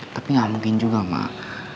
tapi nggak mungkin juga mbak